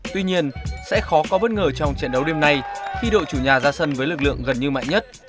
tuy nhiên sẽ khó có bất ngờ trong trận đấu đêm nay khi đội chủ nhà ra sân với lực lượng gần như mạnh nhất